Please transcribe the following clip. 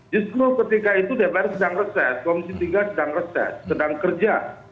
justru ketika itu dpr sedang reses komisi tiga sedang reses sedang kerja